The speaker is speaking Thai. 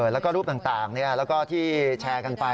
แล้วก็รูปต่างที่แชร์กันไป